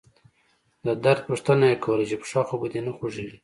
د درد پوښتنه يې کوله چې پښه خو به دې نه خوږيږي.